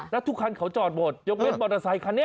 แล้วทุกคันเขาจอดหมดยกเม็ดบอดอาศัยคันนี้